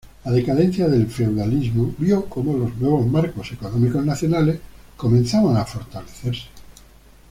La decadencia del feudalismo vio cómo los nuevos marcos económicos nacionales comenzaban a fortalecerse.